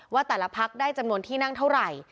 ว่าแต่ละพักได้จำนวนที่นั่งเท่าไหร่